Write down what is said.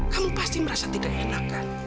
kamu pasti merasa tidak enak kan